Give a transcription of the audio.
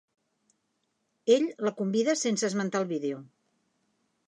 Ell la convida sense esmentar el vídeo.